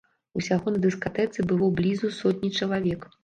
Усяго на дыскатэцы было блізу сотні чалавек.